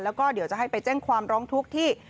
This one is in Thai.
แล้วก็เดี๋ยวจะให้ไปแจ้งความร้องทุกข์ที่